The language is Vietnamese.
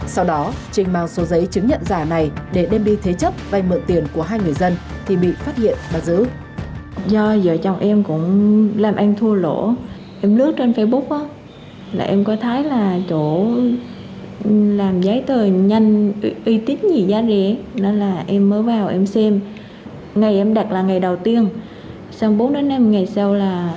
sau đó trinh mang số giấy chứng nhận giả này để đem đi thế chấp vài mượn tiền của hai người dân thì bị phát hiện và giữ